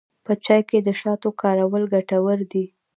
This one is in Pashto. په چای کې د شاتو کارول ګټور دي.